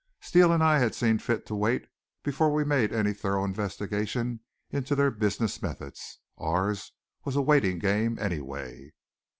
Steele and I had seen fit to wait before we made any thorough investigation into their business methods. Ours was a waiting game, anyway.